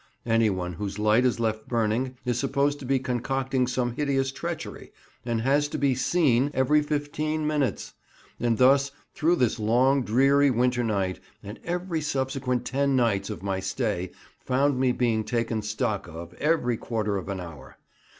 Anyone whose light is left burning is supposed to be concocting some hideous treachery, and has to be "seen" every fifteen minutes; and thus through this long dreary winter night and every subsequent ten nights of my stay found me being taken stock of every quarter of an hour.